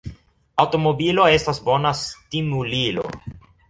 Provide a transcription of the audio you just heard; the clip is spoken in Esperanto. Aŭtomobilo estas bona stimulilo.